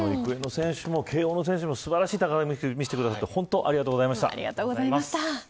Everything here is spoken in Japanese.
育英の選手も慶応の選手も素晴らしい戦いを見せてくださって本当にありがとうございました。